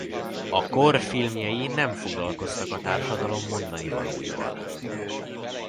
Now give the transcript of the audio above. A kor filmjei nem foglalkoztak a társadalom mondanivalóival.